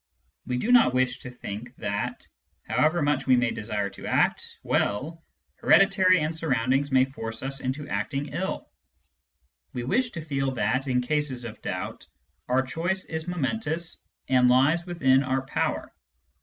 We do not wish to think that, however much we may desire to act well, heredity and surroundings may force us into acting ill. We wish to feel that, in cases of doubt, our choice is momentous and lies within our power.